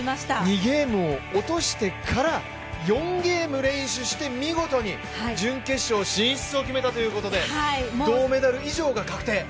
２ゲームを落としてから４ゲーム連取して見事に準決勝進出を決めたということで銅メダル以上が確定。